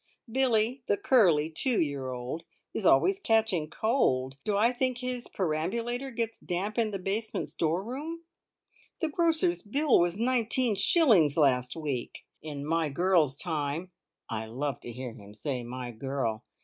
Billie, the curly two year old, is always catching cold. Do I think his perambulator gets damp in the basement store room? The grocer's bill was nineteen shillings last week. In "my girl's time" (I love to hear him say "My girl!")